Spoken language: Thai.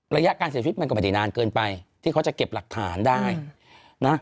ระยะการเสียชีวิตมันก็ไม่ได้นานเกินไปที่เขาจะเก็บหลักฐานได้นะ